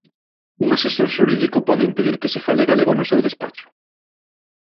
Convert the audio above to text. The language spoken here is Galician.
Un asesor xurídico pode impedir que se fale galego no seu despacho?